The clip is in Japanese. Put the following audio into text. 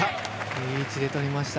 いい位置でとりました。